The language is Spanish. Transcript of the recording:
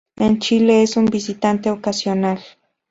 En Chile es un visitante ocasional.